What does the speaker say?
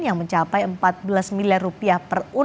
yang mencapai empat belas miliar rupiah